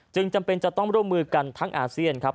จำเป็นจะต้องร่วมมือกันทั้งอาเซียนครับ